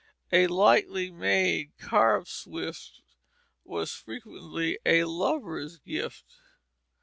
A lightly made, carved swift was a frequent lover's gift.